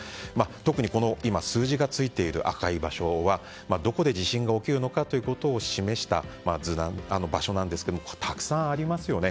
特に数字がついている赤い場所はどこで地震が起きるのかを示した場所なんですがたくさんありますよね。